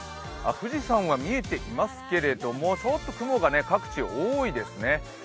富士山は見えていますけれどもちょっと雲が各地多いですね。